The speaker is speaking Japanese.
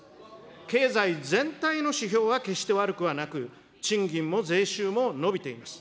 経済全体の指標は決して悪くはなく、賃金も税収も伸びています。